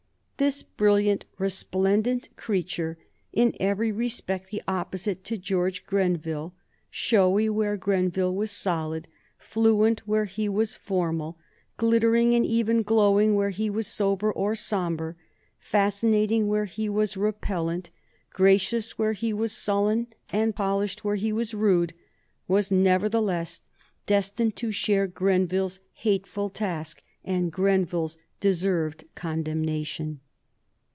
This brilliant, resplendent creature, in every respect the opposite to George Grenville, showy where Grenville was solid, fluent where he was formal, glittering and even glowing where he was sober or sombre, fascinating where he was repellent, gracious where he was sullen, and polished where he was rude, was nevertheless destined to share Grenville's hateful task and Grenville's deserved condemnation.